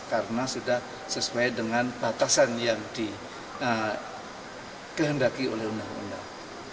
karena sudah sesuai dengan batasan yang dikehendaki oleh undang undang